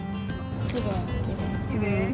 きれい。